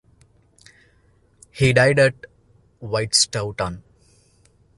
He died at Whitestaunton.